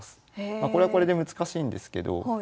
これはこれで難しいんですけど。